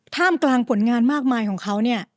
ท่ามกลางผลงานมากมายของเขาเนี่ย